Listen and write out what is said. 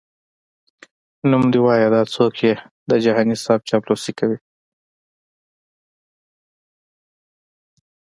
نوم دي وایه دا څوک یې د جهاني صیب چاپلوسي کوي؟🤧🧐